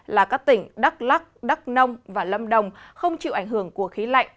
là các tỉnh đắk lắc đắk nông và lâm đồng không chịu ảnh hưởng của khí lạnh